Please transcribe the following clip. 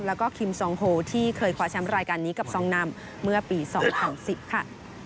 แล้วก็คิมซองโฮที่เคยคว้าแชมป์รายการนี้กับซองนำเมื่อปี๒๐๑๐ค่ะ